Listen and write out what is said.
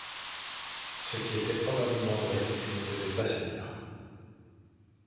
Ce qui était probablement vrai et ne devait pas se dire.